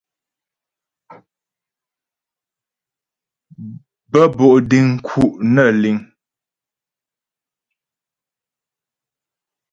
Bə́́ bo' deŋ nku' nə́ liŋ.